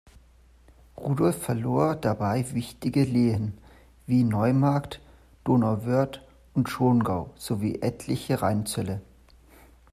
Rudolf verlor dabei wichtige Lehen, wie Neumarkt, Donauwörth und Schongau sowie etliche Rheinzölle.